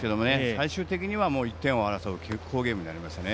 最終的には１点を争う好ゲームになりましたね。